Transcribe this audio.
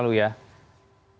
pak saya penasaran sama ini